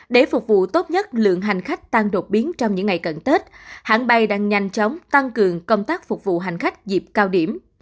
để phục vụ tốt nhất lượng hành khách tăng đột biến trong những ngày cận tết hãng bay đang nhanh chóng tăng cường công tác phục vụ hành khách dịp cao điểm